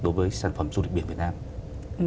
đối với sản phẩm du lịch biển việt nam